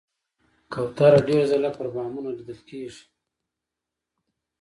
کوتره ډېر ځله پر بامونو لیدل کېږي.